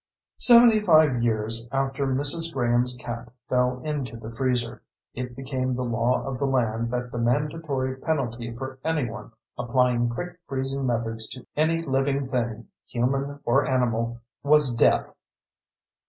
Seventy five years after Mrs. Graham's cat fell into the freezer, it became the law of the land that the mandatory penalty for anyone applying quick freezing methods to any living thing, human or animal, was death.